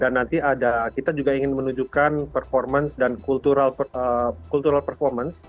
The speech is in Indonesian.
dan nanti ada kita juga ingin menunjukkan performance dan cultural performance